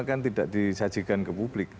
kan tidak disajikan ke publik